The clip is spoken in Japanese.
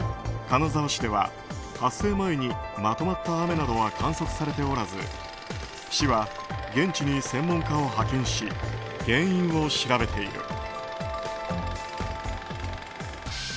金沢市では、発生前にまとまった雨などは観測されておらず市は、現地に専門家を派遣し原因を調べている。